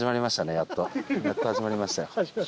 やっと始まりましたよ。